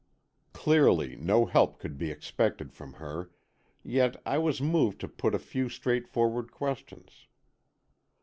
Clearly, no help could be expected from her, yet I was moved to put a few straightforward questions.